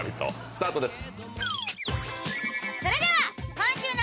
スタートです。